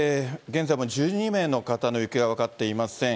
現在も１２名の方の行方が分かっていません。